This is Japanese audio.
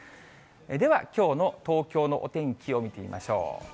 ではきょうの東京のお天気を見てみましょう。